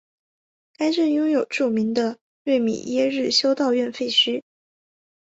该镇拥有著名的瑞米耶日修道院废墟。